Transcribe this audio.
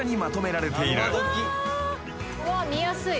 見やすい。